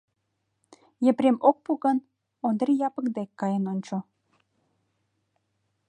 Епрем ок пу гын, Ондри Япык дек каен ончо.